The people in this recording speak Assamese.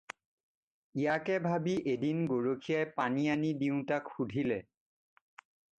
ইয়াকে ভাবি এদিন গৰখীয়াই পানী আনি দিওঁতাক সুধিলে।